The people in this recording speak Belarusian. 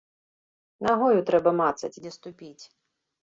Нагою трэба мацаць, дзе ступіць.